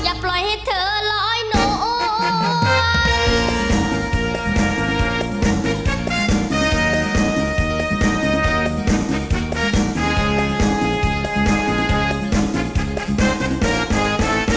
อย่าปล่อยให้เธอร้อยหน่วย